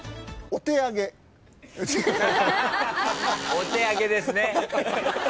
お手上げですね。